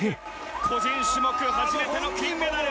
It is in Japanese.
個人種目初めての金メダル。